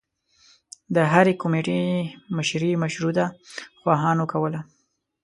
د هرې کومیټي مشري مشروطه خواهانو کوله.